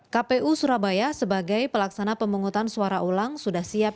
kpu surabaya sebagai pelaksana pemungutan suara ulang sudah siap